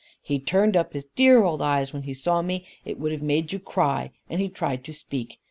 He turned up his dear old eyes when he saw me; it would have made you cry, and he tried to speak.